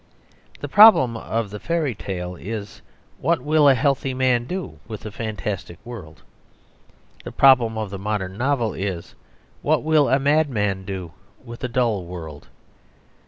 The problem of the fairy tale is what will a healthy man do with a fantastic world? The problem of the modern novel is what will a madman do with a dull world?